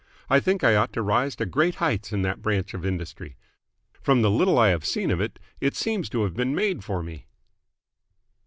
I think I ought to rise to great heights in that branch of industry. From the little I have seen of it, it seems to have been made for me!"